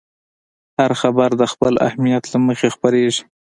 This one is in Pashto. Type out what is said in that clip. هر خبر د خپل اهمیت له مخې خپرېږي.